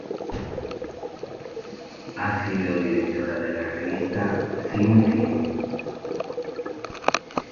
Ha sido directora de la Revista "Sinfín".